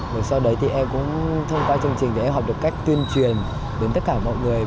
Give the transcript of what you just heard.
rồi sau đấy thì em cũng thông qua chương trình để em học được cách tuyên truyền đến tất cả mọi người